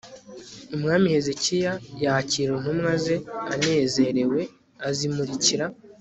umwami hezekiya yakira intumwa ze anezerewe, azimurikira